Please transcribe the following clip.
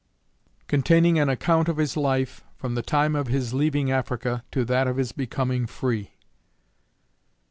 _Containing an account of his life, from the time of his leaving Africa, to that of his becoming free.